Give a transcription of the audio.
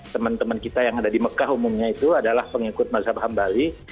teman teman kita yang ada di mekah umumnya itu adalah pengikut masjid imam hanbali